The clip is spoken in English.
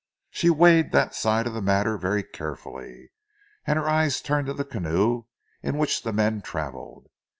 She weighed that side of the matter very carefully, and her eyes turned to the canoe in which the men travelled.